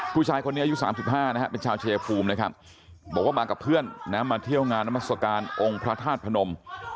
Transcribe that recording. ผู้ชายคนนี้อายุ๓๕นะครับเป็นชาวชายภูมินะครับบอกว่ามากับเพื่อนนะมาเที่ยวงานนามัศกาลองค์พระธาตุพนม